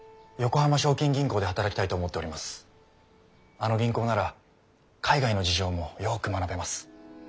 あの銀行なら海外の事情もよく学べます。